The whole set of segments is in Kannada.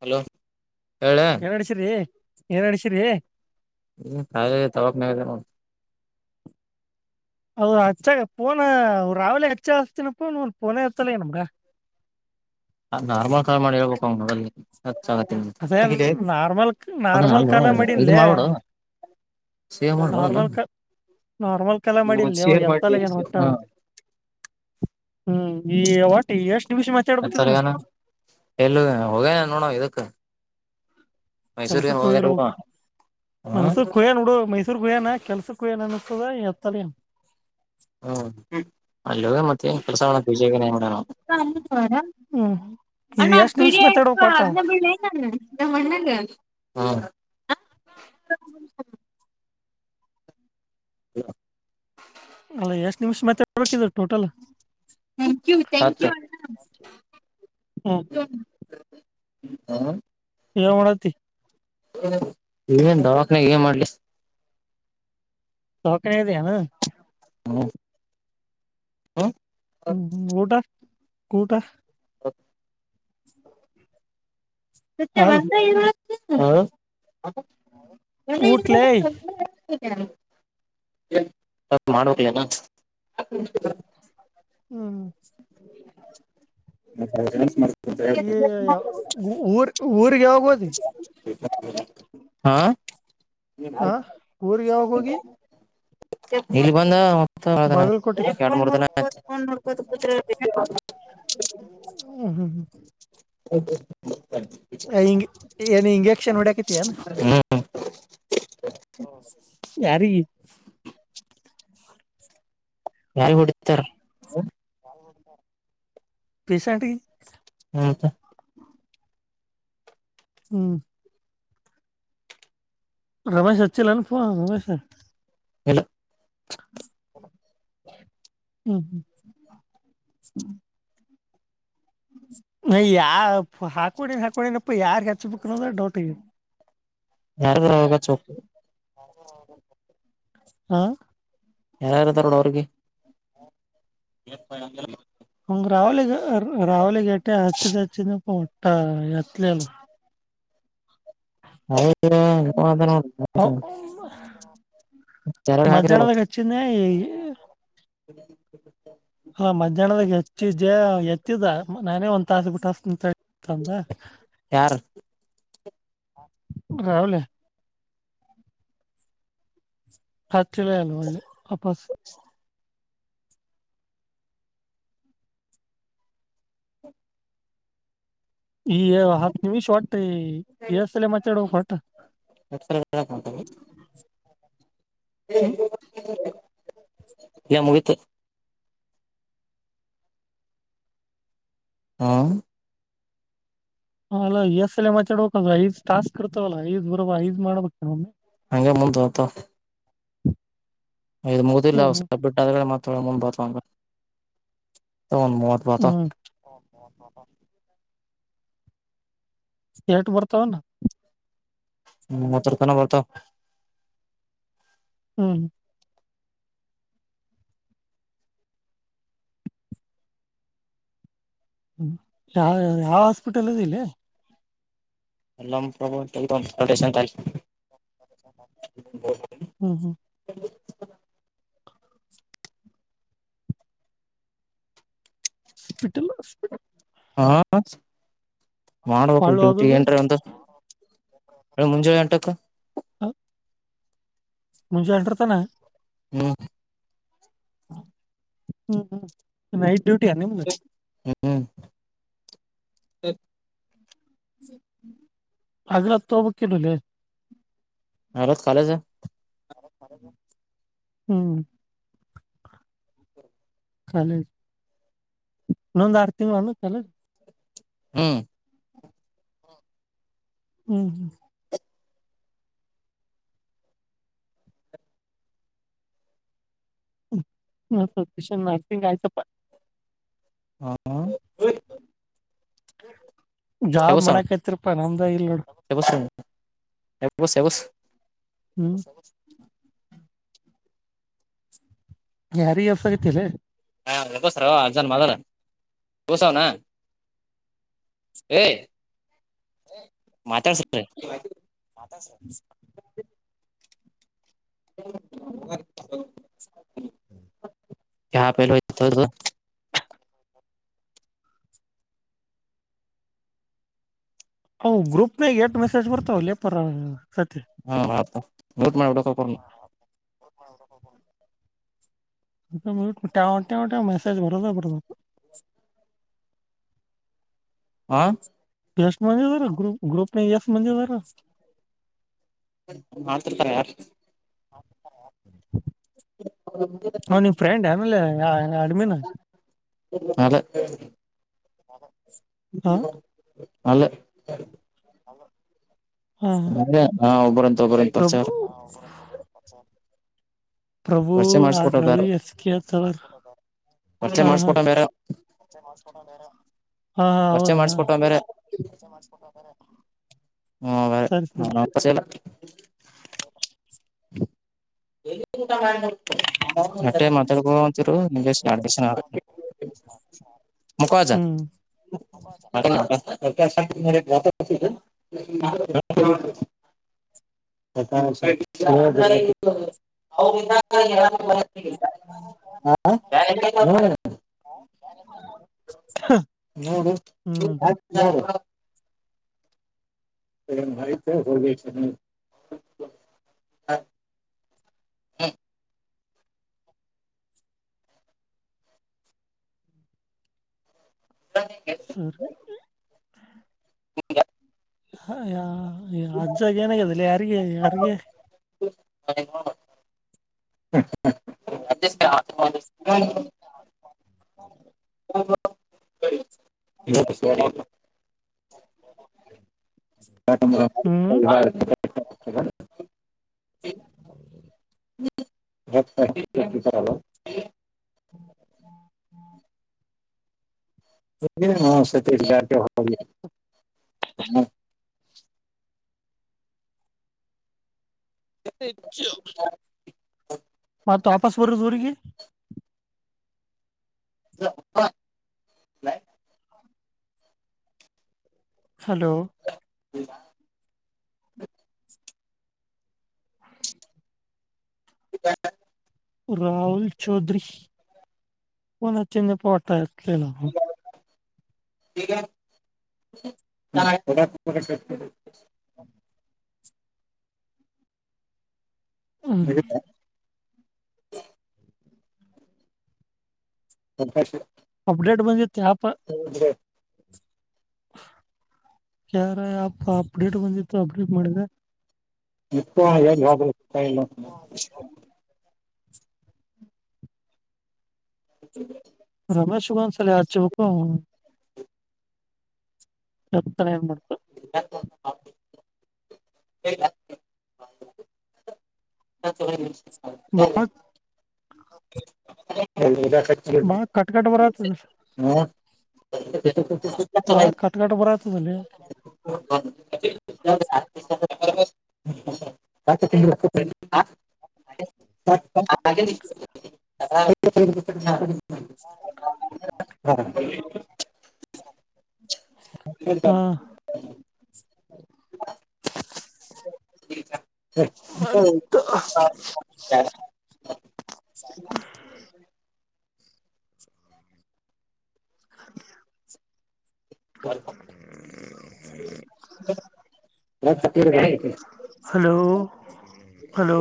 ಹಲೋ ಹೇಳೇ. ಏನ್ ನಡ್ಸಿರಿ ಏನ್ ಅಳ್ಿಸರಿ. ಹ್ಮ ಸ ತವಕ್ ನ. ಅವ್ ಹಚ್ಚಾಗ ಪೋನ ರಾವ್ಲೆ ಹೆಚ್ಚ ಹತಿನಪ್ಪನ್ ಪೋನ ಇರ್ತಲ್ಲ ಈ ನಮ್ಗ. [unintelligible] ಅದು ನಾರ್ಮಲ್ ಕಾ ಮಾಡಿ ಹೇಳ್ಬೇಕ ಅದೇ [unintelligible] ನಾರ್ಮಲ್ ಅದ್ ನಾರ್ಮಲ್ ನಾಲ್ವ ಕಾಲ ಇದು ಮಾಡಿನ್ಲೇ ಮಾಡ್ ಬೀಡು ಸೇ ಮಾಡಲ್ಲ. ನಾರ್ಮಲ್ ಕಾ ನಾರ್ಮಲ್ ಕಲಾ ಮಾಡಿಲ್ಲಿ ಅವ ಎತ್ತಲಗೇನ್ ಹೊಟ್ಟ. ಹ್ಮ ಹ್ಮ್ ಈ ಹೊಟಿ ಎಷ್ಟ ನಿಮಿಷ ಮಾತಾಡ್ಬತಿದಾನ. ಎಲ್ ಹೋಗೇನ ನೋಡ ಇದಕ್. ಕೆಲ್ಸ ಮೈಸೂರ್ಗೆ ಹೋಗ್ಯಾರ ಕೊಯಿರ್ಬೇಕು ಹಾ ಮೈಸೂರ್ ಕುಹ್ಯನ್ ನೋಡು ಮೈಸೂರ್ ಕುಹಯ್ಯನಾ. ಕೆಲ್ಸಕ್ಕೂ ಏನ ಅನಿಸ್ತದ ಎತ್ತಲ ನು. ಹ್ಮ ಅಲ್ಲೋ ಮತ್ತೆ ಪ್ರಸಾವಣ ಪೂಜ. ಹ್ಮ್ ಇದು ಅಣ್ಣ ಎಷ್ಟ್ ನಿಮಿಷ ಪಿಡಿ ಆಯ್ತು ಮಾತಾಡ್ಬೇಕು ಒಟ್ಟ ಅದ್ನ ಬಿಳ್ಳ ಏನಾನ ನಮ್ಮ ಅಣ್ಣಾಗ. ಹ. ಹ. ಅಲ್ಲ ಎಷ್ಟ್ ನಿಮಿಷ ಮತ್ತ ಹಬೇಕಿದ total. Thank you thank you. ಹ್ಮ್ ಹಾ. ಣತಿ. ನ್ ದವಾಕ್ನಾಗ ಏನ್ ಮಾಡ್ಲಿ. ತೌಕನದೆನು. ಹ್ಮ. ಹಾ. ಹ್ಮ ಊಟ ಊಟ. ಹ. [unintelligible] ಸತ್ಯ ಅಲ್ ಒಂದ ಇ. ನ. ಊಟ್ಲೇ ಅ ಮಾಡ್ರಲ್ಲ [unintelligible] ಹ್ಮ್. ಇ ಊರ್ ಊರ ಗಾವ ಗತಿ. ಹಾ. ಹ ಊರ್ಗೆ ಯಾವಾಗ ಹೋಗಿ. ಇಲ್ಲಿ ಬಂದ. ಬಾಗಲಕೋಟೆ [unintelligible] ಹ ಹ್ಮ ಹ್ಮ. [unintelligible] ನ ಇಂಜೆಕ್ಷನ್ ಉಡಾಕತಿಿಯ. ಹ್ಮ್ ಯಾರೀ. [unintelligible] ಯಾರ ಹೊಡತಾರ. ಪಸೆಂಟ್ಗೆ [unintelligible] ಹಾ-ತ ಹ್ಮ್ ರಮೇಶ್ ಅಚ್ಚಲ್ಲ -ಪ- ರಮೇಶ್. ಇಲ್ಲ ಹ್ಮ್- ಹ್ಮ್- ನ -ಯಾ -ಹಾಕೊಡಿನ ಹಾಕೊಡಿನಪ್ಪ ಯಾರ್ ಹೆಚ್ಬೇಕದ ಡೌಟ್. ಯಾರದಾಗ ಹೆಚ್ಚು. ಹಾ ಯಾರ ತಾರೋಣ ಅವ್ರಿಗೆ. ಎ- ಹಂಗ ರಾವಳಿಗೆ ರಾವಲಿಿಗಟೆ ಹಚ್ಚಿದ ಹಚ್ಚಿನ ಪ ಹೊಟ್ಟ ಎತ್ಲಲ್ಲ [unintelligible] [inaudible] ಹೌದ [unintelligible] ಹ ಯಾರ ಹಾಕಿದ -ಮಧ್ಯಾಹ್ನದ ಹಚ್ಚಿದ್ನಿ. ಶ -ಶ ಅಲ್ಲ ಮಧ್ಯಾಹ್ನದಾಗ ಹೆಚ್ಚ- ದೆ -ಎತ್ತಿದ. ನಾನೇ ಒಂದ ತಾಸ ಬಿಟ್ಟ ಅಂತಂದ. ಯಾರ್ ಗಾವಲೆ. ಹಚ್ಚಿಲ ಅಲ್ಲ ಒಳ್ಳೆ ವಾಪಸ್. ಈ- ಹತ್ ನಿಮಿಷ ಹೊಟ್ಟ್ರ ಎಸ್ಸಲ ಮಾತಾಡುವ ಹೊಟ್ಟ. ಟ [unintelligible] ಹ್ಮ್ ಏ-ಮುಗತ ಹಾ- ಹ- ಅಲ್ಲ ಎಸ್ಸಲ ಮಾತಾಡ್ಬೇಕ ಐದ್ಟಾಕ್ ಇರ್ತವಲ್ಲ ಐದ್ ಬರ ಐದ್ ಮಾಡ್ಬೇಕಮ್ಮೆ. ಹಂಗಗೆ ಮುಂತ ಅತ. ಇದು ಮುಗಿಲ್ಲ ಹ್ಮ್ ಹ್ಮ್ ಅವಸ ಬಿಟ್ ಅದಡೆ ಮತ್ತ ಮುಂದ್ ಬಾತ್ಂಗ. ಏನ್ ಮುವ್ವತ್ತು ಬಯಲು. ಹಾ- ಹ -ಹ- ಎಟ್ ಬರ್ತಾವಣ್ಣ. ಹ್ಮ- ಮತ್ತರ್ಕನ ಬರ್ತವಾ. ಹ್ಮ್- ಹ -ಯ- ಯಾವ ಹಾಸ್ಪಿಟಲ್ದ ಇಲ್ಲಿ. ಲ್ಲ ಪ್ರಬ ರಟೇಶ [unintelligible] ಹ್ಮ್- ಹ್ಮ್ ಹಾಸ್ಪಿಟಲ್, ಹಾಸ್ಪಿಟಲ್ ಹಾ-ಅಸ್ ಮಾಡ್ಬೇಕಕ್ಲ್ ಕೊಳ್ಳು ಡ್ಯೂಟಿ ಹೋಗೋದು ಏನ್ರಿ ಒಂದು ಹೇಳ ಮುಂಜಳೆ ಎಂಟಕ್. ಹಾ- ಮುಜೆ ಎಂಟ್ರತಾನ. ಹ್ಮ್- ಹ್ಮ್- ಹ್ಮ್ -ನೈಟ್ ಡ್ಯೂಟಿ ಯ ನಿಮ್ಮದ್ದು. ಹ್ಮ್- ಅಗ್ರತ್ ತಂಬಕನುಲ್ಲೆ. ಅಲೋ ಕಾಲಜ. ಹ್ಮ್- ಕಾಲಜ ಇನ್ನೊಂದ ಆರು ತಿಂಗಳ ಅನು ಕಾಲ. ಹ್ಮ್- ಹ್ಮ್ -ಹ್ಮ್- ನಸಷನ್ ನರ್ಸಿಂಗಂಗಾಯಸ ಪ ಹ ಜಾಬ್ ಎಬಸ ಮಾಡಕ್ಯ್ತಿರಪಾ ನಮ್ದ ಇಲ್ ನೋಡ ಎಬಸ್ ಎಬಸ್ ಎಬಸ್ ಹ್ಮ್ ಯಾರ ಎಸ ಆಗತಿಲ್ಲ ಹಾ ಬಸರ ಜನ್ಮದರ ಬಸೌ ನ ಹಏ ಮಾತಾಡ್ತ ಹತ ರ ಹ ಹ್ಮ್ ಯ ಪಲ್ೋತ್ತು ಅ ಗ್ರೂಪ್ನಾಗ ಎಷ್ಟು ಮೆಸೇಜ್ ಬರ್ತಾವ ಲೇಪರ್ ಹಾ ಆಯತಾ ಊಟ್ ಮಾಡ್ಬಿಡ ಹೋಗ ಹೋಗ ಒಟ್ಟ ಮೆಸೇಜ್ ಬರದು ಬರದು ಹಾ ಎಸ್ಟ್ ಮೆ ಬರ ಗ್ರೂಪ್ ಗ್ರೂಪ್ ನ ಎಸ್ ಮೆ ಬರ ಮಾತರ್ತಾರ ಯಾರು ನಾ ನಿಮ್ ಫ್ರೆಂಡ್ ಆಮೇಲೆ ಆಡಮಿಿನ ಅ [unintelligible] ಹಾ ಅಲ್ಲೇ ಹಲೋ ಹಾ ಒಬ್ಬರಂತ ಒಬ್ಬರಂತ ಪರಿಚಾರ ಪ್ರಭು ಪ್ರಭು ಆ ರವಿ ಬೇರೆ ಎಸ್ ಕೆ ಅತ್ವ ಪರಿಚಯ ಹಾ ಹಾ ಮಾಡಿಸ್ಕೊಟ್ಟ ಬೇರೆ ಹಾ ಹಾ ಪರಿಚಯ ಹೌದಾ ಮಾಡಿಸ್ಕೊಟ್ಟ ಬೇರೆ ಹಲ್ಲ ಹ ಎಲ್ಲಿಊಟ ಕಾರ ನಿಮ್ಗೆ [unintelligible] ಮುಕ್ಕುವಜ ಹ್ಮ್ [unintelligible] [unintelligible] ಹ ನೋಡು ಹ್ಮ್ ಮಾಹಿತ ಹೋಗ ಹ್ಮ ಸರಿ ಹ ಅಜ್ಜಾಗ ಏನಾಗ್ಯದಿಲ್ಲ ಯಾರಿಗೆ ಯಾರಿಗೆ ಹ [unintelligible] ಹೌ ಹ ಹ್ಮ್ [unintelligible] ತ ಹ್ಮ್ ಹ್ಮ್ ಹ್ಮ್ [unintelligible] ಹೆಚ್ಚು ಮತ್ತ ವಾಪಸ್ ಬರೋದು ಊರಿಗೆ [unintelligible] ಹಲೋ [unintelligible] [unintelligible] ರಹುಲ್ ಚೌಧರಿಫೋನ್ ಹಚ್ಚು ಅಂದ್ರೆ ಫೋನ್ ಎತಲಿಲ್ಲ [unintelligible] ಹ್ಮ್ [unintelligible] [unintelligible] ಅಪ್ಡೆೇಟ್ ಬಂದಿದೆ [unintelligible] ಯಾರ ಅಪ್ಪ ಅಪ್ಡೇಟ್ ಬಂದಿತ್ತು ಅಪ್ಡೇಟ್ ಮಾಡಿದೆ [unintelligible] [unintelligible] ರಮೇಶ್ಗ ಒಂದು ಸಾಲ ಹಚ್ಚಬೇಕು [unintelligible] [unintelligible] [unintelligible] [unintelligible] [unintelligible] ಬಾಳ ಕಟ್ ಕಟ್ ಬರತಾದ್ದ ಹ [unintelligible] ಕೆಳಲ್ಲೇ [unintelligible] [unintelligible] [unintelligible] [unintelligible] ಹಾ [unintelligible] [inaudible] [unintelligible] [unintelligible] [inaudible] [unintelligible] ಹಲೋ ಹಲೋ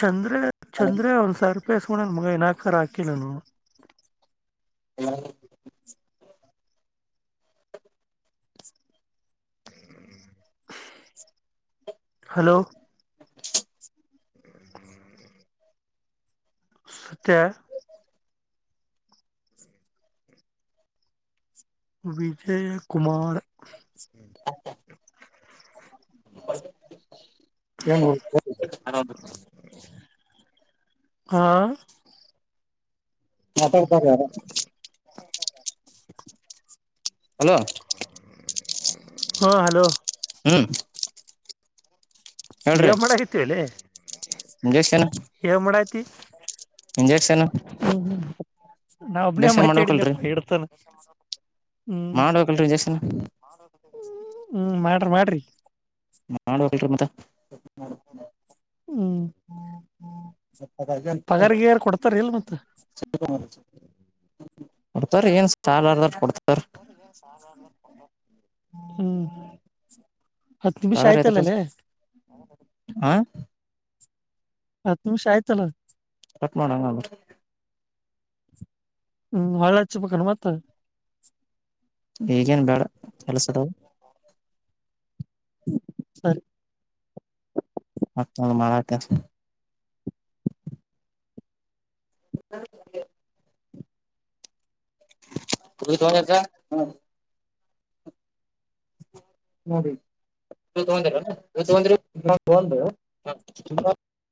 ಚಂದ್ರ ಚಂದ್ರ ಒಂದು ಬೇಸ್ಕೊಂಡನ್ ಮಗ ಇನ್ನಾಕರ ಹಾಕಿ ನಾನು [inaudible] ಹಲೋ [inaudible] ಹ [unintelligible] ಸತ್ಯ ವಿಜಯ ಕುಮಾರ್ [unintelligible] ಹಾ ಮಾಡ್ತಾರೆ ಯಾರೋ ಹಲೋ ಹಾ ಹಲೋ ಹಾ ಏನ್ ಮಾಡಕಕತಿ ಅಲ್ಲಿ ಇಂಜೆಕ್ಷನ್ ಏನ್ ಮಾಡತಿ ಇಂಜೆಕ್ಷನ್ ನಾ ಒಬ್ನೇ ಇಂಜೆಕ್ಷನ್ ಮಾಡ್ಬೇಕಲ್ರರಿ ಮಾತಾಡಿದ್ನೆಪ್ಪ ಇಟ್ಟತನ. ಹ್ಮ್ ಮಾಡ್ಬೇಕಲ್ರರಿ ಇಂಜೆಕ್ಷನ್ ಹ್ಮ್ ಮಾಡ್ರಿ ಮಾಡ್ರಿ ಮಾಡಬೇಕಲ್ರಿ ಮತ್ತ. ಹ್ಮ್ ಪಗಾರ ಗಿಗಾರ ಕೊಡ್ತಾರ ಇಲ್ ಮತ. ಕೊಡ್ತಾರ ಏನ್ ಸಾಲರದಟ ಕೊಡ್ತ ಹ್ಮ್ ಹತ್ತ ನಿಮಿಷ ಸಾಗರ್ ಎದಕ್ ಆಯ್ತಲ್ಲಲ್ಲೇ. ಹಾ ಹತ್ತ ನಿಮಿಷ ಆಯ್ತಲ್ಲ. ಕಟ್ ಮಾಡ ಹಂಗಂದ್ರ. ಹ್ಮ್ ಹೊಳ್ಳ ಹಚ್ಚಬೇಕನ ಮತ್ತ. ಈಗೇನ್ ಬ್ಯಾಡ ಕೆಲ್ಸದಾವು. ಸರಿ ಮತ್ತಂದು ಮಾಡಾರತ [unintelligible] [unintelligible] ಿ ತ [unintelligible] ನೋಡಿಗ್ ತಂದ ತಂದ [unintelligible]